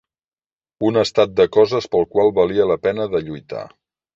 ...un estat de coses pel qual valia la pena de lluitar.